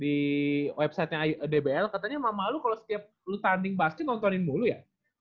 di website nya dbl katanya mama lo kalau setiap lo tanding basket lo nontonin mulu ya